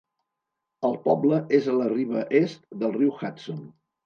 El poble és a la riba est del riu Hudson.